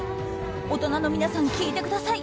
大人の皆さん聞いてください！